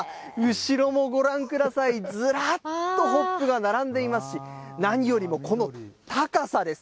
後ろもご覧ください、ずらっとホップが並んでいますし、何よりもこの高さです。